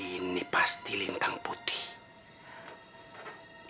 ini pasti lintang putih